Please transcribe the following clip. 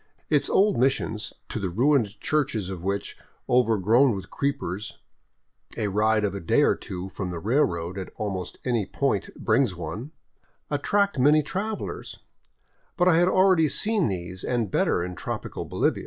Its old missions, to the ruined churches of which, overgrown with creepers, a ride of a day or two from the railroad at almost any point brings one, attract many travelers ; but I had already seen these and better in tropical Bolivia.